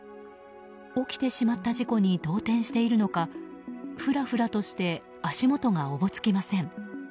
起きてしまった事故に動転しているのかふらふらとして足元がおぼつきません。